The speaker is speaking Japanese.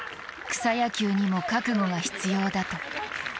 草野球にも覚悟が必要だと。